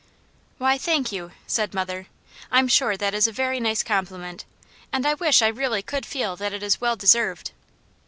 "Why, thank you," said mother. "I'm sure that is a very nice compliment, and I wish I really could feel that it is well deserved."